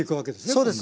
そうです。